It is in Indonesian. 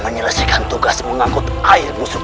menjelaskan tugas mengangkut air musuh